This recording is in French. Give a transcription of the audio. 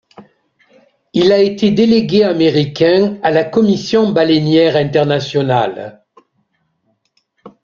Il a été délégué américain à la Commission baleinière internationale.